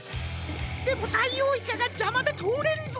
でもダイオウイカがじゃまでとおれんぞ。